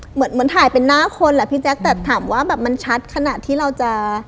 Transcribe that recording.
เหมือนเหมือนถ่ายเป็นหน้าคนแหละพี่แจ๊คแต่ถามว่าแบบมันชัดขนาดที่เราจะ